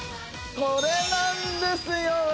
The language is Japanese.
これなんですよ